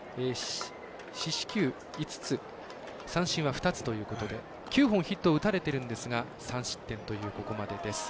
四死球５つ三振は２つということで９本ヒットを打たれているんですが３失点というここまでです。